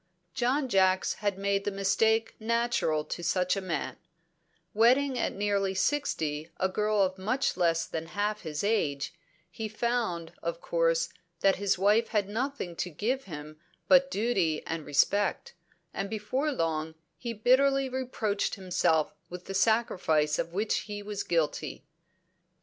John Jacks had made the mistake natural to such a man; wedding at nearly sixty a girl of much less than half his age, he found, of course, that his wife had nothing to give him but duty and respect, and before long he bitterly reproached himself with the sacrifice of which he was guilty.